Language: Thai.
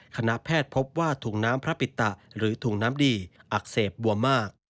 คณะแพทย์พบว่าถุงน้ำพระปิตะหรือถุงน้ำดีอักเสบบวมมาก